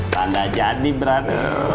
tanda jadi berat